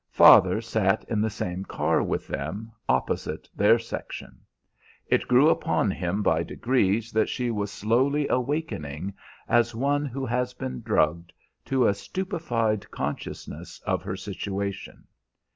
Father sat in the same car with them, opposite their section. It grew upon him by degrees that she was slowly awakening, as one who has been drugged, to a stupefied consciousness of her situation.